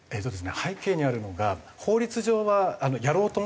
背景にあるのが法律上はやろうと思えばですね